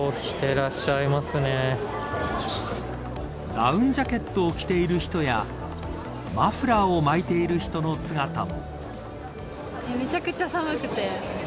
ダウンジャケットを着ている人やマフラーを巻いている人の姿も。